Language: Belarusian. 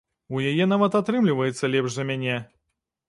У яе нават атрымліваецца лепш за мяне.